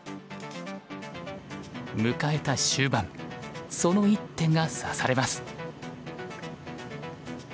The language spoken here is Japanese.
迎えた終盤その一手が指されます。